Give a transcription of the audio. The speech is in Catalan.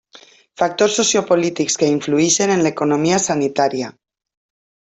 Factors sociopolítics que influïxen en l'economia sanitària.